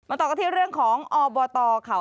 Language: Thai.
ต่อกันที่เรื่องของอบตเขา